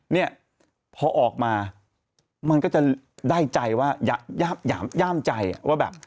เนี่ยพอออกมามันก็จะได้ใจว่าย่ามใจว่าแบบ